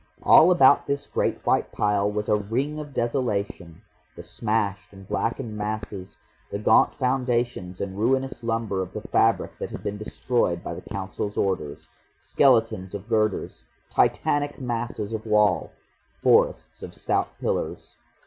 All about this great white pile was a ring of desolation; the smashed and blackened masses, the gaunt foundations and ruinous lumber of the fabric that had been destroyed by the Council's orders, skeletons of girders, Titanic masses of wall, forests of stout pillars.